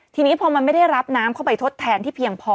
ทีนี้พอมันไม่ได้รับน้ำเข้าไปทดแทนที่เพียงพอ